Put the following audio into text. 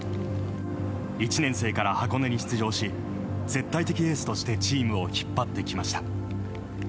１年生から箱根に出場し絶対的エースとしてチームを引っ張ってきました。